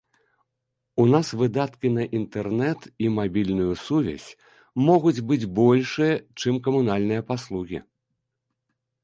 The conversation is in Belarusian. У нас выдаткі на інтэрнэт і мабільную сувязь могуць быць большыя, чым камунальныя паслугі.